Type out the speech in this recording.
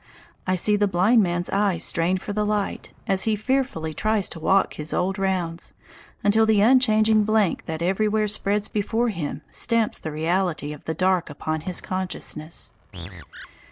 I see the blind man's eyes strain for the light, as he fearfully tries to walk his old rounds, until the unchanging blank that everywhere spreads before him stamps the reality of the dark upon his consciousness.